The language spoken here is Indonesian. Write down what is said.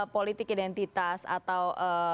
politik identitas atau